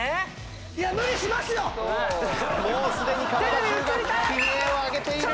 もうすでに体中が悲鳴を上げている！